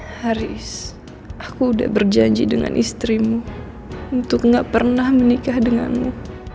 haris aku udah berjanji dengan istrimu untuk gak pernah menikah denganmu